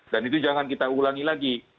dan itu jangan kita ulangi lagi